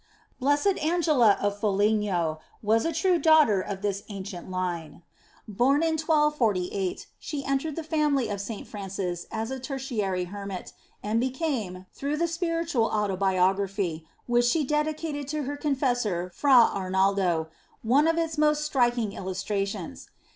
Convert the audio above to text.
Blessed Angela of Foligno was a true daughter of this ancient line. Born in 1248, she entered the family of St. Francis as a Tertiary Hermit, and became, through the spiritual autobiography, which she dedicated to her con fessor Fra Arnaldo, one of its most striking illustrations.